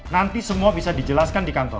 nanti semua bisa dijelaskan di kantor